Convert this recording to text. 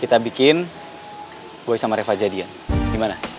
kita bikin boy sama reva jadian gimana